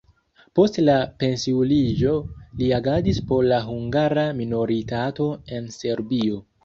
Post la pensiuliĝo li agadis por la hungara minoritato en Serbio.